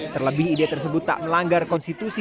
terlebih ide tersebut tak melanggar konstitusi